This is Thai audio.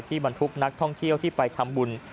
บรรทุกนักท่องเที่ยวที่ไปทำบุญ